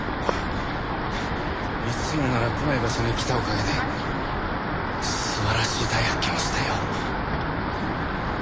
いつもなら来ない場所に来たおかげで素晴らしい大発見をしたよ。